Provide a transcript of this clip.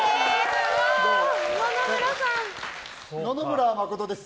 野々村真です。